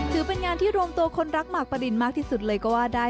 ถือเป็นงานที่รวมตัวคนรักหมากปรินมากที่สุดเลยก็ว่าได้